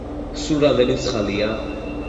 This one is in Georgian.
სულ რამდენი მსხალია?